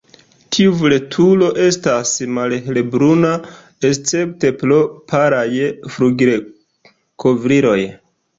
Tiu vulturo estas malhelbruna escepte pro palaj flugilkovriloj.